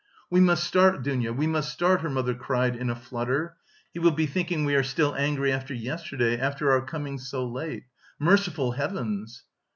"We must start, Dounia, we must start," her mother cried in a flutter. "He will be thinking we are still angry after yesterday, from our coming so late. Merciful heavens!"